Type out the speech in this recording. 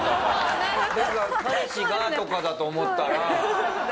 彼氏がとかだと思ったら。